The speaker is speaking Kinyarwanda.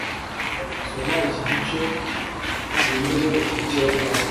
soma iki gice ugihindure mu kiyapani